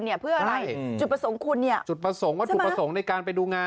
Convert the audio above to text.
เหมือนทางตัวแทนคณะ